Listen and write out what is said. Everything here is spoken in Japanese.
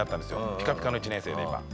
ピカピカの１年生で今。